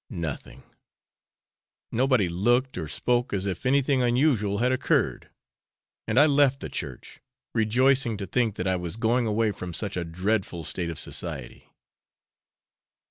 Nothing nobody looked or spoke as if anything unusual had occurred; and I left the church, rejoicing to think that I was going away from such a dreadful state of society.